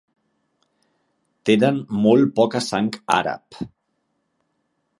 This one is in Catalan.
Tenen molt poca sang àrab.